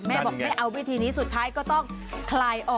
แม่บอกไม่เอาวิธีนี้สุดท้ายก็ต้องคลายออก